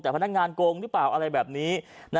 แต่พนักงานโกงหรือเปล่าอะไรแบบนี้